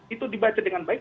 itu dibaca dengan baik